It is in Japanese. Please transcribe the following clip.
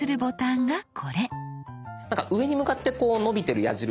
なんか上に向かってこう伸びてる矢印が。